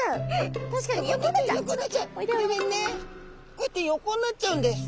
こうやって横になっちゃうんです。